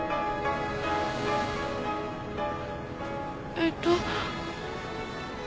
えっと。